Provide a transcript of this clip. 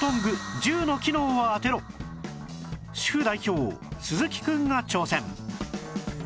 主婦代表鈴木くんが挑戦